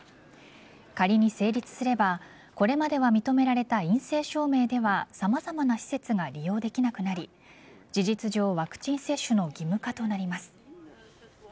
仮に成立すればこれまでに認められた陰性証明では様々な施設が利用できなくなり事実上ワクチン接種の義務化となります。